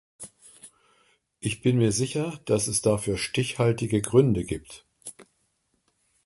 Ich bin mir sicher, dass es dafür stichhaltige Gründe gibt.